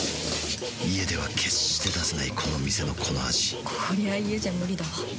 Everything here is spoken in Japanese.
家では決して出せないこの店のこの味こりゃ家じゃムリだわ。